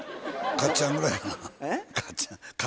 勝っちゃんぐらいやね。